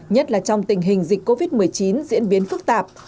nhất là trong tình hình dịch covid một mươi chín diễn biến phức tạp